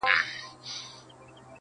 کنې دوى دواړي ويدېږي ورځ تېرېږي.